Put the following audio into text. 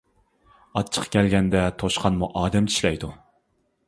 — ئاچچىقى كەلگەندە توشقانمۇ ئادەم چىشلەيدۇ.